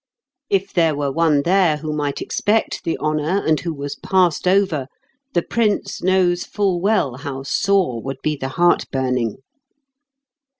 If there were one there who might expect the honour, and who was passed over, the Prince knows full well how sore would be the heart burning.